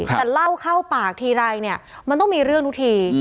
แต่เล่าเข้าปากทีไรเนี่ยมันต้องมีเรื่องทุกที